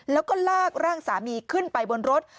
แล้วก็ลากร่างสามีขึ้นไปบนรถ